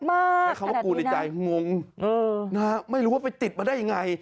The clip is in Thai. ใช้คำว่ากูในใจงงไม่รู้ว่าไปติดมาได้ยังไง